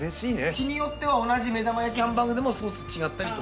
日によっては同じ目玉焼きハンバーグでもソース違ったりとか。